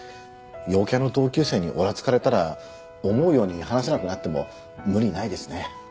陽キャの同級生にオラつかれたら思うように話せなくなっても無理ないですね。